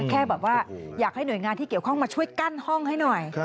แค่แบบว่าอยากให้หน่วยงานที่เกี่ยวข้องมาช่วยกั้นห้องให้หน่อย